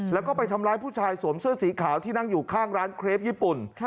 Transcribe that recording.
แล้วก็ไปทำร้ายผู้ชายสวมเสื้อสีขาวที่นั่งอยู่ข้างร้านเครปญี่ปุ่น